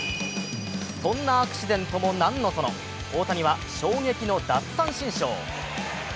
そんなアクシデントもなんのその、大谷は衝撃の奪三振ショー。